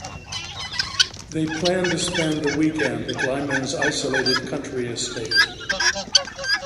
They plan to spend the weekend at Lyman's isolated country estate.